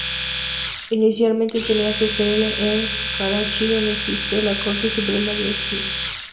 Inicialmente, tenía su sede en Karachi, donde existe la Corte Suprema de Sindh.